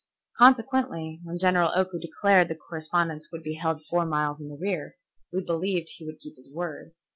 Consequently, when General Oku declared the correspondents would be held four miles in the rear, we believed he would keep his word.